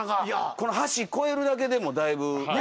この橋越えるだけでもだいぶ。